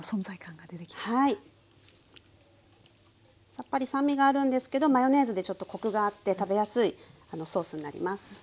さっぱり酸味があるんですけどマヨネーズでちょっとコクがあって食べやすいソースになります。